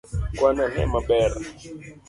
Kwan ane maber